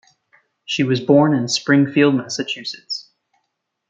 She was born in Springfield, Massachusetts.